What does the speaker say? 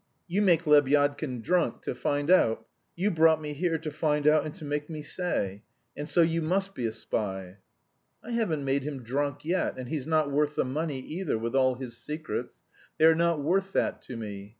"You make Lebyadkin drunk to find out. You brought me here to find out and to make me say. And so you must be a spy." "I haven't made him drunk yet, and he's not worth the money either, with all his secrets. They are not worth that to me.